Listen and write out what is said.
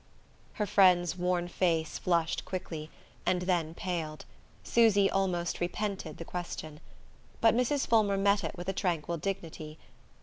Her friend's worn face flushed quickly, and then paled: Susy almost repented the question. But Mrs. Fulmer met it with a tranquil dignity.